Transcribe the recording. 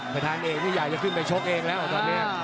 พระธานเองซะใหญ่ทำให้ขึ้นไปชกเองแล้วตอนนี้